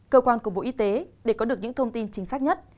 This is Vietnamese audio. cơ quan của bộ y tế để có được những thông tin chính xác nhất